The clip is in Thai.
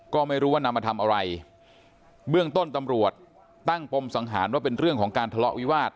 ก็ไม่รู้ว่านำมาทำอะไรเบื้องต้นตำรวจตั้งปมสังหารว่าเป็นเรื่องของการทะเลาะวิวาส